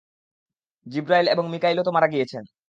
জিবরাঈল এবং মীকাঈলও তো মারা গিয়েছেন।